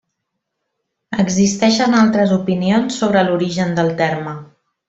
Existeixen altres opinions sobre l'origen del terme.